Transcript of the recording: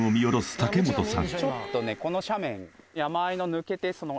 茸本さん